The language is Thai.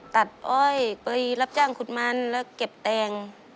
ตัดเอ้ยไปรับจ้างคุณมันแล้วเก็บแตง